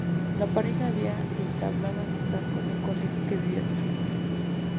La pareja había entablado amistad con un conejo que vivía cerca.